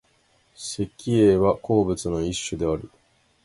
石英は鉱物の一種である。